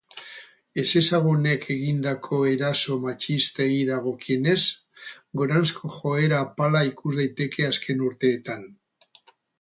Ezezagunek egindako eraso matxistei dagokienez, goranzko joera apala ikus daiteke azken urteetan.